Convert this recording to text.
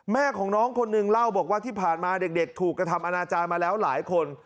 แม่ของน้องคนหนึ่งเล่าบอกว่าที่ผ่านมาเด็กถูกกระทำอนาจารย์มาแล้วหลายคน